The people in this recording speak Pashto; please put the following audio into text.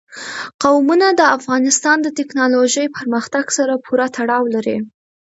قومونه د افغانستان د تکنالوژۍ پرمختګ سره پوره تړاو لري.